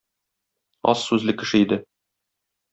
Аз сүзле кеше иде.